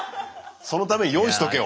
そのために用意しとけよ